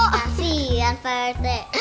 kasian pak rete